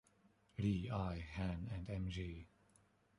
Lee, I. Han, and M.-G.